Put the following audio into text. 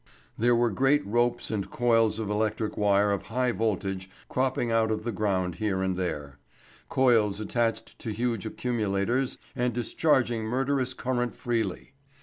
There were great ropes and coils of electric wire of high voltage cropping out of the ground here and there; coils attached to huge accumulators, and discharging murderous current freely.